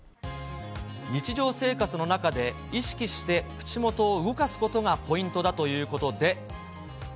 日常生活の中で意識して口元を動かすことがポイントだということで。